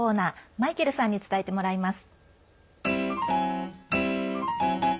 マイケルさんに伝えてもらいます。